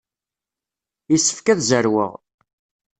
Yessefk ad zerweɣ.